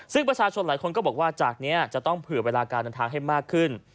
ซึ่งประชาชนหลายคนก็บอกว่าจากนี้จะต้องเผื่อเวลาการเดินทางให้มากขึ้น